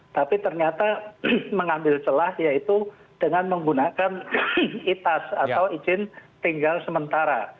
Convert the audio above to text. tapi ternyata mengambil celah yaitu dengan menggunakan itas atau izin tinggal sementara